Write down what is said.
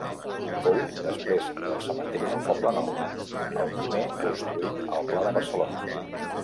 Fou, després del cementiri del Poblenou, el primer construït al Pla de Barcelona.